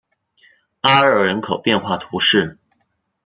阿热人口变化图示